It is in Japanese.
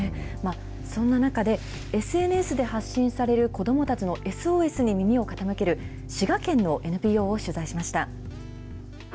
そんな中でＳＮＳで発信される子どもたちのＳＯＳに耳を傾ける、滋賀県のＮＰＯを取材しました。